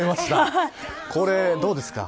これどうですか。